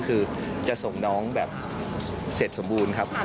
คือจะส่งน้องแบบเสร็จสมบูรณ์ครับ